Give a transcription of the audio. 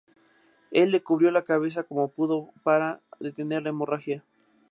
Él le cubrió la cabeza como pudo para detener la hemorragia.